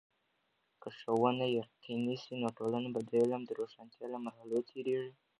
که ښوونه یقيني سي، نو ټولنه به د علم د روښانتیا له مرحلو تیریږي.